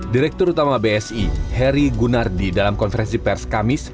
direktur utama bsi heri gunardi dalam konferensi pers kamis